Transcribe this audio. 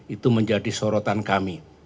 itu menjadi sorotan kami